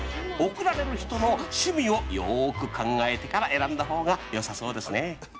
贈られる人の趣味をよーく考えてから選んだほうがよさそうですね。